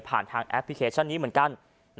ทางแอปพลิเคชันนี้เหมือนกัน